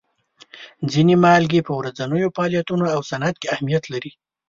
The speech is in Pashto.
ځینې مالګې په ورځیني فعالیتونو او صنعت کې اهمیت لري.